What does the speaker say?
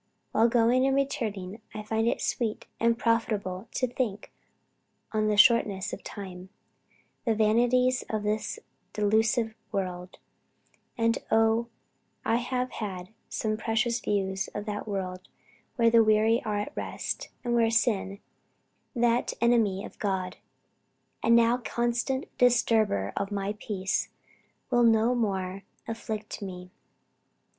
While going and returning, I find it sweet and profitable to think on the shortness of time, the vanity of this delusive world, and oh I have had some precious views of that world where the weary are at rest; and where sin, that enemy of God, and now constant disturber of my peace, will no more afflict me."